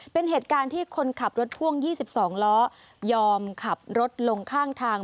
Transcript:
เป็นเหตุการณ์ที่คนขับรถพ่วง๒๒ล้อยอมขับรถลงข้างทาง